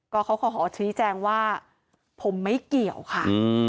ก็เขาขอชี้แจงว่าผมไม่เกี่ยวค่ะ